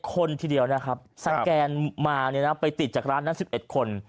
คนทีเดียวนะครับสแกนมาไปติดจากร้านนั้น๑๑คน